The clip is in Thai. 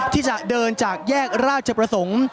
ที่จะเดินจากแยกราชประสงค์